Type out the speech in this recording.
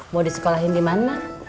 mau disekolahin dimana